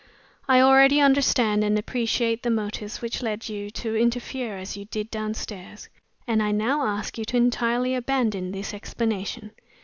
I already understand (and appreciate) the motives which led you to interfere as you did downstairs, and I now ask you to entirely abandon the explanation.